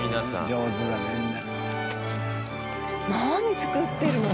上手だねみんな。